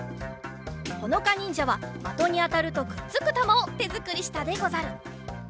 ほのかにんじゃはまとにあたるとくっつくたまをてづくりしたでござる。